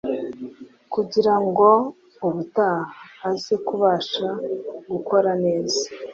kugirango ubutaha aze kubasha gukora neza.